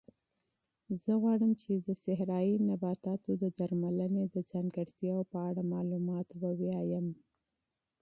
زه غواړم چې د صحرایي نباتاتو د درملنې د ځانګړتیاوو په اړه معلومات ولولم.